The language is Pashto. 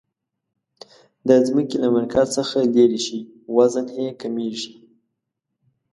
د ځمکې له مرکز څخه لیرې شئ وزن یي کمیږي.